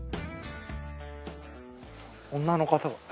女の方だ。